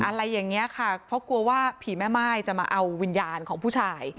อะไรอย่างนี้ค่ะเพราะกลัวว่าผีแม่ม่ายจะมาเอาวิญญาณของผู้ชาย